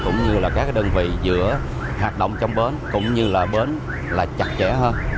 cũng như là các đơn vị giữa hoạt động trong bến cũng như là bến là chặt chẽ hơn